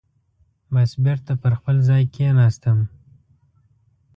بس بېرته پر خپل ځای کېناستم.